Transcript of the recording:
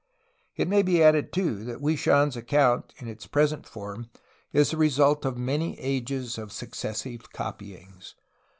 It may be added, too, that Hwui Shanes account in its present form is the result of many ages of successive copyings.